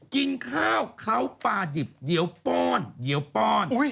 กินข้าวเขาปลาดิบเดี๋ยวป้อนเดี๋ยวป้อน